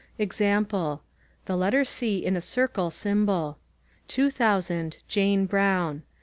Example: (the letter C in a circle symbol) 2000 Jane Brown.